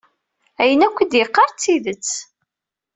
Ayen yakk i d-yeqqar d tidet.